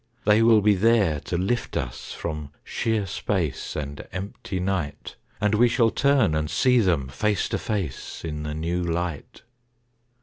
They will be there to lift us from sheer space And empty night; And we shall turn and see them face to face In the new light.